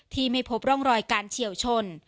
ที่ไม่พบร่องรอยการเฉียวชน